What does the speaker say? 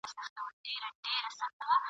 یوه زرکه یې له لیري وه لیدلې !.